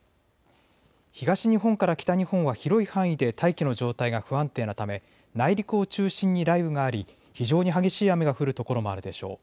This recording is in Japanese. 東日本から北日本は広い範囲で大気の状態が不安定なため内陸を中心に雷雨があり非常に激しい雨が降る所もあるでしょう。